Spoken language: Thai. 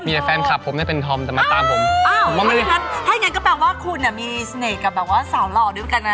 มีแฟนคลับผมได้เป็นธอมแต่มาตามผมถ้าอย่างนั้นก็แปลว่าคุณมีเสน่ห์กับสาวหล่อด้วยเหมือนกันนะ